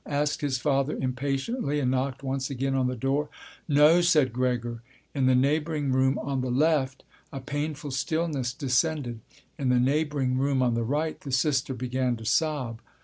asked his father impatiently and knocked once again on the door. "No," said Gregor. In the neighbouring room on the left a painful stillness descended. In the neighbouring room on the right the sister began to sob.